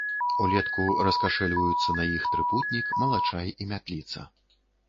Улетку раскашэльваюцца на іх трыпутнік, малачай і мятліца.